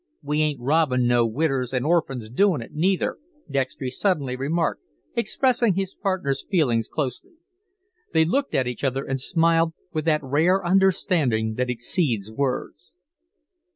"We ain't robbin' no widders an' orphans doin' it, neither," Dextry suddenly remarked, expressing his partner's feelings closely. They looked at each other and smiled with that rare understanding that exceeds words.